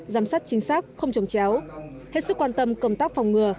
giám sát chính xác không trồng chéo hết sức quan tâm công tác phòng ngừa